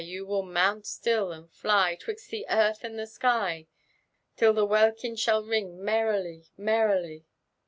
You will mount atiU, and fly 'Twixt the earth and the sky, Tin the welkin shall ring meirily, merrily